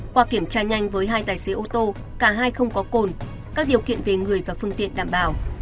qua kiểm tra nhanh với hai tài xế ô tô cả hai không có cồn các điều kiện về người và phương tiện đảm bảo